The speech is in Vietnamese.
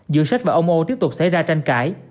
giữa xết và ông âu tiếp tục xảy ra tranh cãi